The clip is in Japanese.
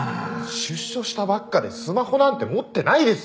出所したばっかでスマホなんて持ってないですよ！